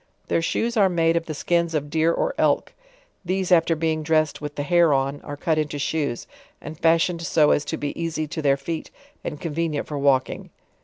Their shoes are made of the skins of deer or elk; these after being dressed with the hair on, are cut into shoes, and faishioned so as to be easy to their feet and convenient for walking.